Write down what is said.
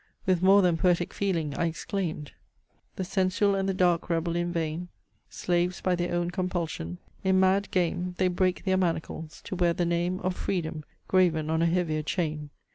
With more than poetic feeling I exclaimed: The sensual and the dark rebel in vain, Slaves by their own compulsion! In mad game They break their manacles, to wear the name Of freedom, graven on a heavier chain.